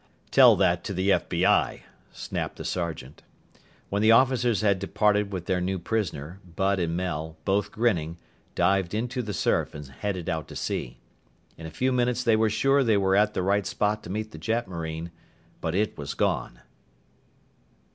"Tell that to the FBI!" snapped the sergeant. When the officers had departed with their new prisoner, Bud and Mel, both grinning, dived into the surf and headed out to sea. In a few minutes they were sure they were at the right spot to meet the jetmarine. But it was gone!